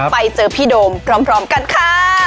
ไปเจอพี่โดมพร้อมกันค่ะ